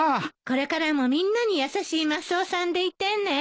これからもみんなに優しいマスオさんでいてね。